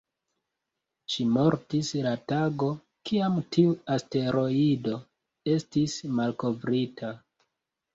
Ŝi mortis la tago, kiam tiu asteroido estis malkovrita.